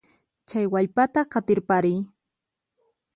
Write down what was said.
Chay wallpata qatirpariy.